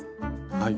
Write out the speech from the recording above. はい。